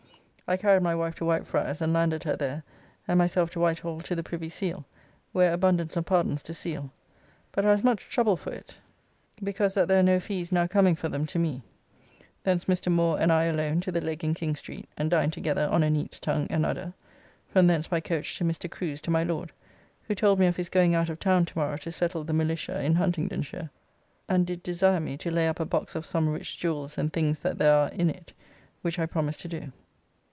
I carried my wife to White Friars and landed her there, and myself to Whitehall to the Privy Seal, where abundance of pardons to seal, but I was much troubled for it because that there are no fees now coming for them to me. Thence Mr. Moore and I alone to the Leg in King Street, and dined together on a neat's tongue and udder. From thence by coach to Mr. Crew's to my Lord, who told me of his going out of town to morrow to settle the militia in Huntingdonshire, and did desire me to lay up a box of some rich jewels and things that there are in it, which I promised to do.